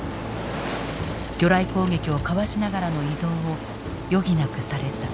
魚雷攻撃をかわしながらの移動を余儀なくされた。